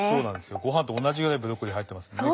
ごはんと同じぐらいブロッコリー入ってますんでね